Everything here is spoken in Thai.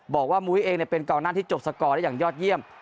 บอกว่ามู๊ยเองเนี่ยเป็นกราวนั้นที่จบสโกรธ์ได้อย่างยอดเยี่ยม